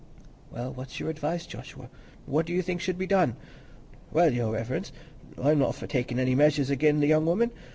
"Well, what's your advice, Joshua? What do you think should be done?" "Well, Your Reverence, I'm not for takin' any measures again' the young woman.